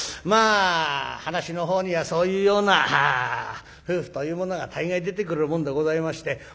まあ噺の方にはそういうような夫婦というものが大概出てくるもんでございまして。